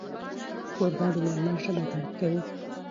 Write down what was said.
کوربه د میلمه ژبه درک کوي.